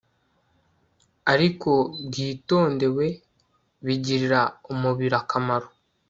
ariko bwitondewe bigirira umubiri akamaro